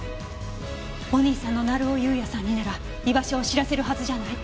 お兄さんの成尾優也さんになら居場所を知らせるはずじゃない？